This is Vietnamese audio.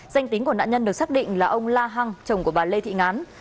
danh tính của nạn nhân được xác định là ông la hăng chồng của bà lê thị ngán